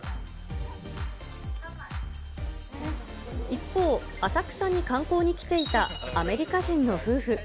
一方、浅草に観光に来ていたアメリカ人の夫婦。